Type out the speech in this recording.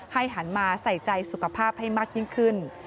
หันมาใส่ใจสุขภาพให้มากยิ่งขึ้น